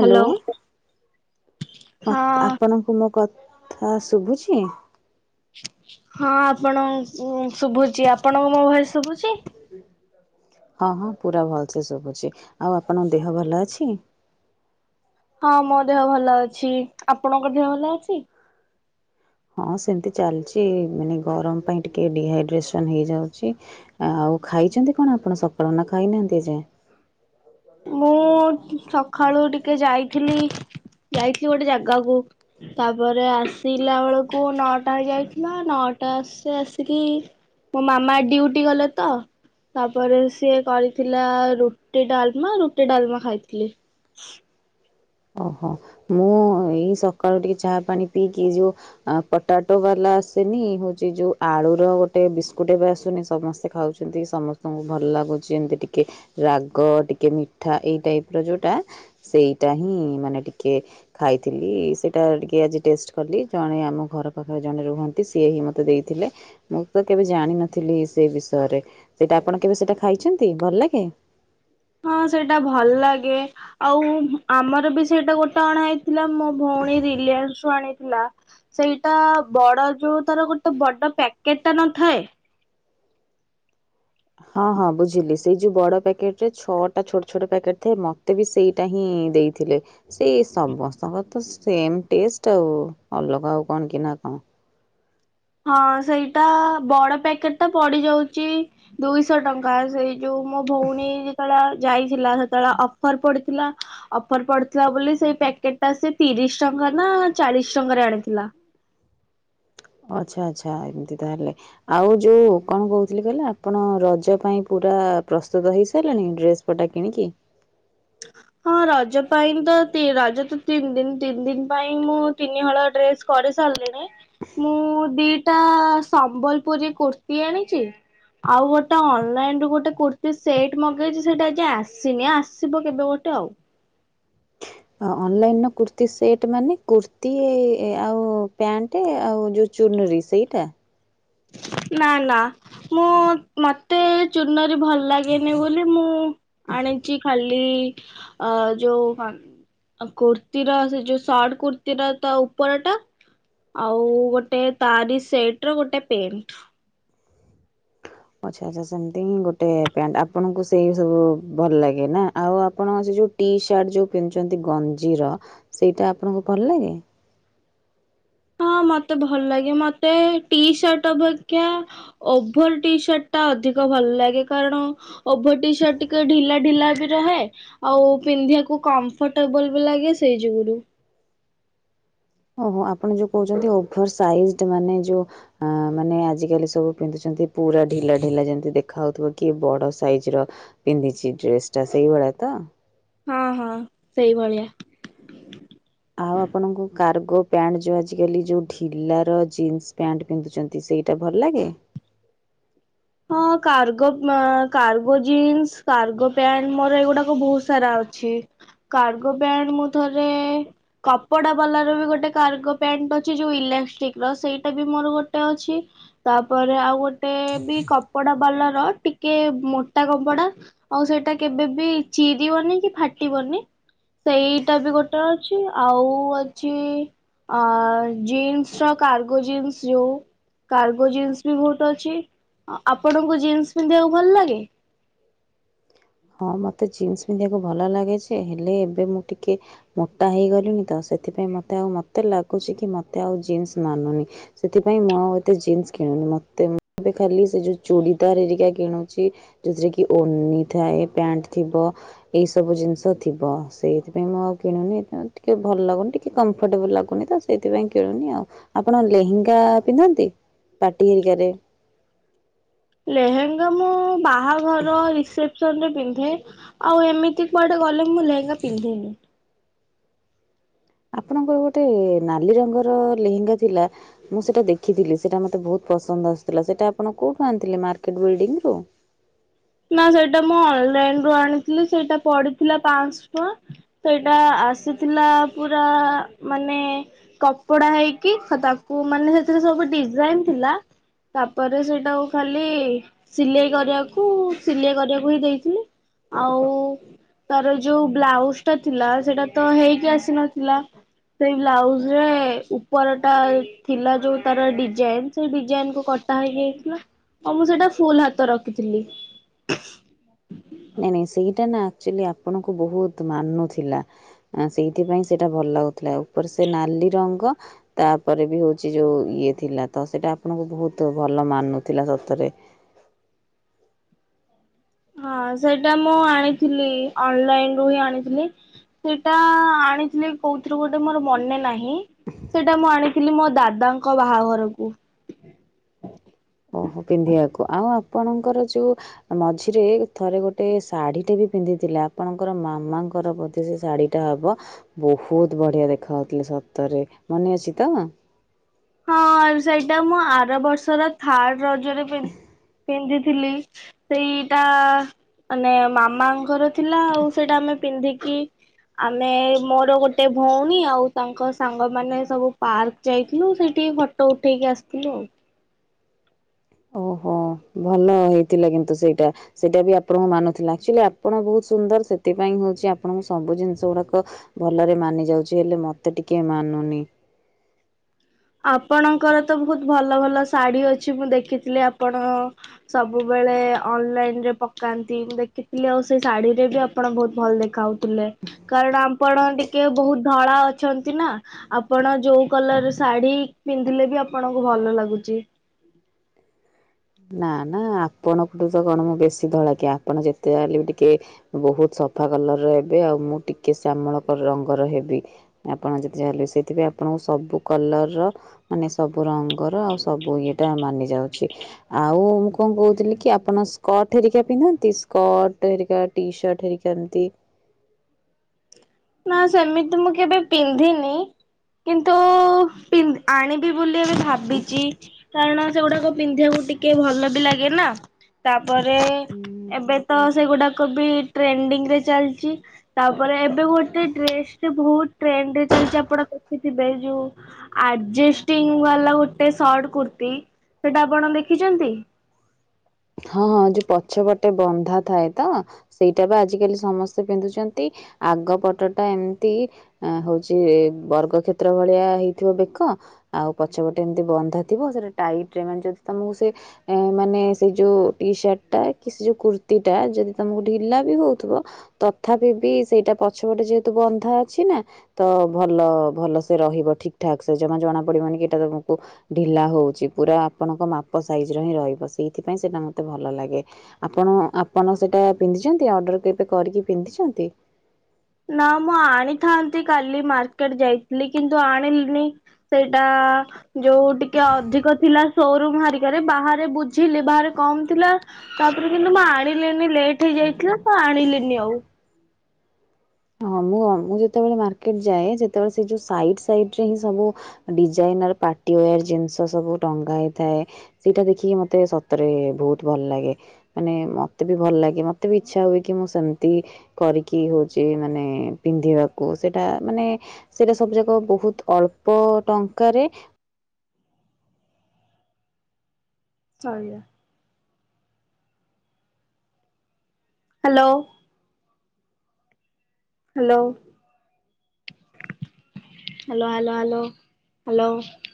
Hello hello. ହଁ ଆ-ଆପଣଙ୍କୁ ମୋ କ ଥା ଶୁବୁଚି ହଁ ଆପଣ ଉଁ ଶୁଭୁଚି ଆପଣ ଙ୍କୁ ମୋ ଭାଏସ ଶୁବୁଚି? ହଁ ହଁ ପୁରା ଭଲ ସେ ସବୁଚି ଆଉ ଆପଣଙ୍କ ଦେହ ଭଲ ଅଛି? ହଁ ମୋ ଦେହ ଭଲ ଅଛି ଆପଣଙ୍କ ଦେହ ଭଲ ଅଛି? ହଁ ସେମିତି ଚାଲିଚି ମାନେ ଗରମ ପାଇଁ ଟିକେ ଡିହାଇଡ୍ରେସନ୍ ହେଇଯାଉଚି। ଆଉ ଖାଇଚନ୍ତି କଣ ଆପଣ ସକାଳୁ ନା ଖାଇନାହାନ୍ତି ଏ ଯାଏଁ? ମୁଁ ସଖାଳୁ ଟିକେ ଯାଇଥିଲି ଯାଇଥିଲି ଗୋଟେ ଜାଗାକୁ। ତାପରେ ଆସିଲା ବେଳକୁ ନଅଟା ହେଇ ଯାଇଥିଲା ନଅଟା ଆସେ ଆସିକି ମୋ ମାମା ଡିଉଟି ଗଲେ ତ। ତାପରେ ସିଏ କରିଥିଲା ରୁଟି ଡାଲମା ରୁଟି ଡାଲମା ଖାଇଥିଲି। ଓହୋ ମୁଁ ଏଇ ସକାଳୁ ଟିକେ ଚାହା ପାଣି ପିଇକି ଯୋ ଆ ପଟାଟୋ ବାଲା ଆସେନି ହଉଚି ଯୋଉ ଆଳୁର ର ଗୋଟେ ବିସ୍କୁଟ ଏବେ ଆସୁନି ସମସ୍ତେ ଖାଉଚ ଯେମିତିକି ସମସ୍ତଙ୍କୁ ଭଲ ଲାଗୁଚି ଏମିତି ଟିକେ ରାଗ ଟିକେ ମିଠା ଏଇ ଟାଇପ ର ଯୋଉଟା ସେଇଟା ହିଁ ମାନେ ଟିକେ ଖାଇଥିଲି ସେଇଟା ଟିକେ ଆଜି ଟେଷ୍ଟ କଲି ଜଣେ ଆମ ଘର ପାଖରେ ଜଣେ ରୁହନ୍ତି ସିଏ ହିଁ ମତେ ଦେଇଥିଲେ। ମୁଁ ତ କେବେ ଜାଣିନଥିଲି ସେ ବିଷୟରେ ସେଇଟା ଆପଣ କେବେ ସେଇଟା ଖାଇଚନ୍ତି ଭଲ ଲାଗେ? ହଁ ସେଇଟା ଭଲ ଲାଗେ ଆଉ ଆମର ବି ସେଇଟା ଗୋଟେ ଅଣା ହେଇ ଥିଲା ମୋ ଭଉଣୀ ରିଲିଆନସ୍ ରୁ ଆଣିଥିଲା। ସେଇଟା ବଡ ଯୋଉ ତାର ଗୋଟେ ବଡ ପ୍ୟାକେଟ ଟା ନଥାଏ। ହଁ ହଁ ବୁଝିଲି ସେଇ ଯୋଉ ବଡ ପ୍ୟାକେଟ୍ ରେ ଛଅଟା ଛୋଟ ଛୋଟ ପକେଟ ଥାଏ ମତେ ବି ସେଇ ଟା ହିଁ ଦେଇଥିଲେ। ସେଇ ସମସ୍ତଙ୍କର ତ ସେମ ଟେଷ୍ଟ୍ ଆଉ ଅଲଗା ଆଉ କଣ କି ନା କଣ? ହଁ ସେଇଟା ବଡ ପ୍ୟାକେଟ ଟା ପଡିଯାଉଚି ଦୁଇଶହ ଟଙ୍କା ସେଇ ଯୋଉ ମୋ ଭଉଣୀ ଯେତବେଳେ ଯାଇଥିଲା ସେତବେଳେ ଅଫର ପଡିଥିଲା। ଅଫର ପଡିଥିଲା ବୋଲି ସେଇ ପ୍ୟାକେଟ ଟା ସେ ତିରିଶ ଟଙ୍କା ନା ଚାଳିଶ ଟଙ୍କାରେ ଆଣିଥିଲା। ଆଚ୍ଛା ଆଚ୍ଛା ଏମିତି ତାହେଲେ। ଆଉ ଯୋଉ କଣ କହୁଥିଲି କହିଲ ଆପଣ ରଜ ପାଇଁ ପୁରା ପ୍ରସ୍ତୁତ ହେଇସାରିଲେଣି ଡ୍ରେସ୍ ପଟା କିଣିକି। ହଁ ରଜ ପାଇଁ ତ ତି ରଜ ତ ତିନି ଦିନ ତିନି ଦିନ ପାଇଁ ମୁଁ ତିନିହଳ ଡ୍ରେସ୍ କରି ସାରିସାଲିଣି ମୁଁ ଦି ଟା ସମ୍ବଲପୁରୀ କୁର୍ତ୍ତିୀ ଆଣିଚି। ଆଉଗୋଟେ ଅନଲାଇନରୁ ଗୋଟେ କୁର୍ତ୍ତୀ ସେଟ୍ ମଗେଇଚି ସେଇଟା ଏଜାଏଁ ଆସିନି ଆସିବ କେବେ ଗୋ ଟେ ଆଉ। ଅନଲାଇନର କୁର୍ତ୍ତୀସେଟ୍ ମାନେ କୁର୍ତ୍ତୀ ଆଉ ପ୍ୟାଣ୍ଟ୍ ଆଉ ଯୋଉ ଚୁନୁରି ସେଇଟା। ନା ନା ମୁଁ ମତେ ଚୁନରେ ଭଲ ଲାଗେନି ବୋଲି ମୁଁ ଆଣିଚି ଖାଲି ଅ ଯୋଉ କନ୍ ଆଉ କୁର୍ତ୍ତିୀର ସେ ଯୋଉ ସର୍ଟ କୁର୍ତ୍ତିୀର ତା ଉପର ଟା। ଆଉ ଗୋଟେ ତାରି ସେଟ ର ଗୋଟେ ପେଣ୍ଟ୍। ଆଚ୍ଛା ଆଚ୍ଛା ସେମିତି ହିଁ ଗୋଟେ ପ୍ୟାଣ୍ଟ୍ ଆପଣଙ୍କୁ ସେଇ ସବୁ ଭଲ ଲାଗେ ନା ଆଉ ଆପଣ ସେ ଯୋଉ ଟି ସାର୍ଟ ଯୋଉ ପିନ୍ଧୁଚନ୍ତି ଗଞ୍ଜିର ସେଇଟା ଆପଣଙ୍କୁ ଭଲଲାଗେ? ହଁ ମତେ ଭଲ ଲାଗେ ମତେ ଟିସାର୍ଟ ଅପେକ୍ଷା ଓଭର ଟି ସାର୍ଟଟା ଅଧିକ ଭଲ ଲାଗେ। କାରଣ ଓଭର ଟିସାର୍ଟ ଟିକେ ଢିଲା ଢିଲା ବି ରହେ। ଆଉ ପିନ୍ଧିବାକୁ କମ୍ଫର୍ଟେବଲ ବି ଲାଗେ ସେଇ ଯୋଗୁରୁ। ଓହୋ ଆପଣ ଯୋଉ କହୁଛନ୍ତି ଓଭର ସାଇଜ ମାନେ ଯୋଉ ହୁଁ ମାନେ ଆଜିକାଲି ସବୁ ପିନ୍ଧୁଛନ୍ତି ପୁରା ଢିଲା ଢିଲା ଯେମିତି ଦେଖା ହାଉଥିବ କି ବଡ ସାଇଜ ର। ପିନ୍ଧିଛି ଡ୍ରେସ୍ ଟା ସେଇଭଳିଆ ତ। ହଁ ହଁ ସେଇଭଳିଆ। ଆଉ ଆପଣଙ୍କୁ କାର୍ଗୋ ପ୍ୟାଣ୍ଟ୍ ଯଉ ଆଜିକାଲି ଯୋଉ ଢିଲାର ଜିନ୍ସ ପ୍ୟାଣ୍ଟ୍ ପିନ୍ଧୁଛନ୍ତି ସେଇଟା ଭଲ ଲାଗେ। ହଁ କାର୍ଗୋ ମାଁ କାର୍ଗୋ ଜିନ୍ସ କାର୍ଗୋ ପ୍ୟାଣ୍ଟ୍ ମୋର ଏଇଗୁଡାକ ବହୁତ ସାରା ଅଛି। କାର୍ଗୋ ପ୍ୟାଣ୍ଟ୍ ମୁଁ ଥରେ କପଡା ବାଲାରବି ଗୋଟେ କାର୍ଗୋ ପ୍ୟାଣ୍ଟ ଅଛି। ଯୋଉ ଇଲାଷ୍ଟିକର ସେଇଟା ବି ମୋର ଗୋଟେ ଅଛି। ତାପରେ ଆଉ ଗୋଟେ ବି କପଡା ବାଲାର ଟିକେ ମୋଟା କପଡା। ଆଉ ସେଇଟା କେବେ ବି ଚିରିବନି କି ଫାଟିବନି। ସେଇଟା ବି ଗୋଟେ ଅଛି। ଆଉ ଅଛି ଅ ଜିନ୍ସ ର କାର୍ଗୋ ଜିନ୍ସ ଯଉ। କାର୍ଗୋ ଜିନ୍ସ ବି ବହୁତ ଅଛି। ଆପଣଙ୍କୁ ଜିନ୍ସ ପିନ୍ଧିବାକୁ ଭଲ ଲାଗେ? ହଁ ମୋତେ ଜିନ୍ସ ପିନ୍ଧିବାକୁ ଭଲ ଲାଗେ ଯେ ହେଲେ ଏବେ ମୁଁ ଟିକେ ମୋଟା ହେଇଗଲିଣିି ତ ସେଥିପାଇଁ ମତେ ଆଉ ମତେ ଲାଗୁଛି କି ମତେ ଆଉ ଜିନ୍ସ ମାନୁନି। ସେଥିପାଇଁ ମୁଁ ଆଉ ଏତେ ଜିନ୍ସ କିଣୁନି। ମତେ ମୁଁ ଏବେ ଖାଲି ସେ ଯୋଉ ଚୁଡିଦାର ହେରିକା କିଣୁଛି। ଯଉଥିରେ କି ଓନି ଥାଏ ପ୍ୟାଣ୍ଟ ଥିବ। ଏଇ ସବୁ ଜିନିଷ ଥିବ ସେଇଥିପାଇଁ ମୁଁ ଆଉ କିଣୁନି। ଏଥିଇଁ ଟିକେ ଭଲ ଲାଗୁନି ଟିକେ କମ୍ଫର୍ଟେବୁଲ୍ ଲାଗୁନି ତ। ସେଥିପାଇଁ କିଣୁନି ଆଉ। ଆପଣ ଲେହେଙ୍ଗା ପିନ୍ଧନ୍ତି ପାଟି ହେରିକାରେ। ଲେହେଙ୍ଗା ମୁଁ ବାହାଘର ରିସେପ ସନରେ ପିନ୍ଧେ। ଆଉ ଏମିତି କୁଆଡେ ଗଲେ ମୁଁ ଲେହେଙ୍ଗା ପିନ୍ଧେନି। ଆପଣଙ୍କର ଗୋଟେ ନାଲି ରଙ୍ଗର ଲେହେଙ୍ଗା ଥିଲା। ମୁଁ ସେଇଟା ଦେଖିଥିଲି ସେଇଟା ମୋତେ ବହୁତ ପସନ୍ଦ ଆସୁଥିଲା। ସେଇଟା ଆପଣ କୋଉଠୁ ଆଣିଥିଲେ? ମାର୍କେଟ ବିଲ୍ଡିଂରୁ। ନା ସେଇଟା ମୁଁ ଅନଲାଇନ ରୁ ଆଣିଥିଲି। ସେଇଟା ପଡିଥିଲା ପାଁଶ ଟଙ୍କା। ସେଇଟା ଆସିଥିଲା ପୁରା ମାନେ କପଡା ହେଇକି ତାକୁ ମାନେ ସେଥିରେ ସବୁ ଡିଜାଇନ ଥିଲା। ତାପରେ ସେଇଟାକୁ ଖାଲି ସିଲେଇ କରିବାକୁ ସିଲେଇ କରିବାକୁ ହି ଦେଇଥିଲି। ଆଉ ତାର ଯୋଉ ବ୍ଲାଉଜ ଟା ଥିଲା ସେଇଟା ତ ହେଇକି ଆସିନଥିଲା। ସେଇ ବ୍ଲାଉଜ ରେ ଉପର ଟା ଥିଲା ଯୋଉ ତାର ଡିଜାଇନ ସେଇ ଡିଜାଇନ କୁ କଟି ତା ହେଇକ ଯାଇଥିଲା। ଆଉ ମୁଁ ସେଇଟା ଫୁଲ ହାତ ରଖିଥିଲି। [inaudible] ନାଇଁ ନେଇ ସେଇଟା ନା ଆକ୍ଚୁଆଲି ଆପଣଙ୍କୁ ବହୁତ ମାନୁଥିଲା। ଆ ସେଇଥିପାଇଁ ସେଇଟା ଭଲ ଲାଗୁଥିଲା। ଉପରେ ସେ ନାଲି ରଙ୍ଗ ତାପରେ ବି ହେଉଛି ଯୋଉ ଇଏ ଥିଲା ତ ସେଇଟା ଆପଣଙ୍କୁ ବହୁତ ଭଲ ମାନୁଥିଲା ସତରେ। ହଁ ସେଇଟା ମୁଁ ଆଣିଥିଲି ଅନଲାଇନ ରୁ ହିଁ ଆଣିଥିଲି। ସେଇଟା ଆଣିଥିଲେ କଉଥିରୁ ଗୋଟେ ମୋର ମନେ ନାହିଁ। ସେଇଟା ମୁଁ ଆଣିଥିଲି ମୋ ଦାଦାଙ୍କ ବାହାଘରକୁ। ଓହୋ ପିନ୍ଧିବାକୁ। ଆଉ ଆପଣଙ୍କର ଯୋଉ ମଝିରେ ଥରେ ଗୋଟେ ଶାଢୀ ଟା ବି ପିନ୍ଧିଥିଲେ। ଆପଣଙ୍କର ମାମାଙ୍କର ବ ସେ ଶାଢୀ ଟା ହବ ବହୁତ ବଢିଆ ଦେଖାଯାଉଥିଲେ ସତରେ ମନେ ଅଛି ତ। ହଁ ସେଇଟା ମୁଁ ଆର ବର୍ଷର ଥାର୍ଡ ରଜରେ ପିନ୍ଧିଥିଲି। ସେଇଟା ମାନେ ମାମାଙ୍କର ଥିଲା। ଆଉ ସେଇଟା ଆମେ ପିନ୍ଧିକି ଆମେ ମୋର ଗୋଟେ ଭଉଣୀ ଆଉ ତାଙ୍କ ସାଙ୍ଗମାନେ ସବୁ ପାର୍କ ଯାଇଥିଲୁ। ସେଇଠି ଫଟୋ ଉଠେଇକି ଆ---ଲୁ ଆଉ। ଓହୋ, ଭଲ ହେଇଥିଲା କିନ୍ତୁ ସେଇଟା। ସେଇଟା ବି ଆପଣଙ୍କୁ ମାନୁ ଥିଲା, ଲି ଆପଣ ବହୁତ୍ ସୁନ୍ଦର। ସେଥିପାଇଁ ହଉଚି ଆପଣଙ୍କୁ ସବୁ ଜିନିଷ ଗୁଡ଼ାକ ଭଲରେ ମାନି ଯାଉଚି, ହେଲେ ମତେ ଟିକେ ମାନୁନି। ଆପଣଙ୍କର ତ ବହୁତ୍ ଭଲ ଭଲ ଶାଢ଼ୀ ଅଛି, ମୁଁ ଦେଖିଥିଲି ଆପଣ ସବୁବେଳେ ଅନ୍‌ ଲାଇନ୍‌ରେ ପକାନ୍ତି, ମୁଁ ଦେଖିଥିଲି ଆଉ ସେ ଶାଢ଼ୀରେ ବି ଆପଣ ବହୁତ୍ ଭଲ୍ ଦେଖାଉ--ଲେ। କାରଣ ଆପଣ ଟିକେ ବହୁତ୍ ଧଳା ଅଛନ୍ତି, ନା ଆପଣ ଯଉ କଲର୍ ଶାଢ଼ୀ ପିନ୍ଧିଲେ ବି ଆପଣଙ୍କୁ ଭଲ ଲାଗୁଚି। ନା ନା, ଆପଣଙ୍କ ତ କ'ଣ ମୁଁ ବେଶୀ ଧଳା କି? ଆପଣ ଯେତେ ଯାହା ବି ଟିକେ ବହୁତ୍ ସଫା କଲର୍ ର ହେବେ, ଆଉ ମୁଁ ଟିକେ ଶ୍ଯାମଳ ରଙ୍ଗର ହେବି। ଆପଣ--------ସେଇଥି ଆପଣଙ୍କୁ ସବୁ କଲର୍ର ର ମାନେ ସବୁ ରଙ୍ଗର ଆଉ ସବୁ ଇଏଟା ମାନି ଯାଉଛି। ଆଉ ମୁଁ କ'ଣ କହୁଥିଲି କି ଆପଣ ସ୍କର୍ଟ ହେରିକା ପିନ୍ଧନ୍ତି, ସ୍କର୍ଟ ହେରିକା ଟି ସାର୍ଟ ହେରିକା ଏମ୍ତି। ନା ସେମିତି ମୁଁ କେବେ ପିନ୍ଧିନି, କିନ୍ତୁ ଆଣିି ବୋଲି ଏବେ ଭାବିଚି, କାରଣ ସେଗୁଡ଼ାକ ପିନ୍ଧିବାକୁ ଟିକେ ଭଲ ବି ଲାଗେ ନା। ତା'ପରେ ଏବେ ତ ସେଇ ଗୁଡ଼ାକ ବି ଟ୍ରେଣ୍ଡିଙ୍ଗ୍ ଚାଲ୍ଚି, ତା'ପରେ ଏବେ ଗୋ ଡ୍ରେସ୍‌ ଟି ହୁତତ୍ ଟ୍ରେଣ୍ଡ୍ ରେ ଚାଲ୍ଚି ଆପଣ ଦେଖିଥିବେ। ଯଉ ଆର୍ଜେଷ୍ଟିଙ୍ଗ୍ ବାଲା ଗୋଟେ ସର୍ଟ କୁର୍ତ୍ତୀ, ସେଟା ଆପଣ ଦେଖିଚନ୍ତି? ହଁ ହଁ, ଯଉ ପଛ ପଟେ ବନ୍ଧା ଥାଏ ତ। ସେଇଟା ବି ଆଜିକାଲି ସମସ୍ତେ ପିନ୍ଧୁଚନ୍ତି, ଆଗ ପଟଟା ଏମ୍ତି ହଉଚି ବର୍ଗ କ୍ଷେତ୍ର ଭଳିଆ ହେଇଥିବ ବେକ। ଆଉ ପଛପଟେ ଏମ୍‌ତି ବନ୍ଧା ଥିବ, ସେଟା ଟାଇଟ୍ ରେ ଯଦି ତମକୁ ସେ ମାନେ ସେ ଯଉ ଟିସାର୍ଟ ଟା କି ସେ କୁର୍ତ୍ତିୀଟା, ଯଦି ତୁମକୁ ଢ଼ିଲା ବି ହଉଥିବ। ତଥାପି ବି ସେଇଟା ପଛପଟେ ଯେହେତୁ ବନ୍ଧା ଅଛି ନା। ତ ଭଲ ଭଲ ସେ ରହିବ ଠିକ୍ ଠାକ୍ ସେ, ଜମା ଜଣା ପଡିବନି। ଏଟା ତମକୁ ଢ଼ିଲା ହଉଚି ପୁରା ଆପଣଙ୍କ ମାପ ସାଇଜ୍‌ ର ହିଁ ରହିବ, ସେଇଥିପାଇଁ ସେଟା ମତେ ଭଲ ଲାଗେ। ଆପଣ ଆପଣ ସେଇଟା ପିନ୍ଧିଚନ୍ତି, ଅର୍ଡର କେବେ କରିକି ପିନ୍ଧିଚନ୍ତି? ନା ମୁଁ ଆଣିଥାନ୍ତି କାଲି ମାର୍କେଟ ଯାଇ--ଲି କିନ୍ତୁ ଆଣିଲିନି। ସେଇଟା ଯଉ ଟିକେ ଅଧିକ ଥିଲା ସୋ ରିକାରେ ବାହାରେ ବୁଝିଲି, ବାହାରେ କମ୍ ଥିଲା। ତା'ପରେ କିନ୍ତୁ ମୁଁ ଆଣିଲିନି, ଲେଟ୍ ହେଇଯାଇଥିଲା ତ ଆଣିଲିନି ଉ। ହଁ! ମୁଁ ଯେତେବେଳେ ମାର୍କେଟ ଯାଏ, ତେବେଳେ ସେ ଯଉ ସାଇଟ୍ ସାଇଟ୍ ରେ ହିଁ ସବୁ ଡିଜାଇନର୍ ପାଟିଓୟାର୍ ଜିନ୍‌ଷ ସବୁ ଟଙ୍ଗା ହେଇଥାଏ। ସେଇଟା ଦେଖିକି ମତେ ସତରେ ବହୁତ୍ ଭଲ୍‌ ଲାଗେ। ମାନେ ମତେ ବି ଭଲ୍ ଲାଗେ, ମତେ ବି ଇଚ୍ଛା ହୁଏ କି ମୁଁ ସେମ୍ତି କରିକି ମାନେ ପିନ୍ଧିବାକୁ ସେଟା ମାନେ ସେଇଟା ସବୁ ଯାକ ବହୁତ୍ ଅଳ୍ପ ଟଙ୍କାରେ [inaudible] ହାଲୋ। [inaudible] [unintelligible]